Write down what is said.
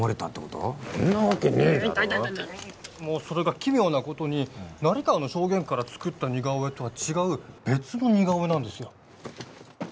それが奇妙なことに成川の証言から作った似顔絵とは違う別の似顔絵なんですよ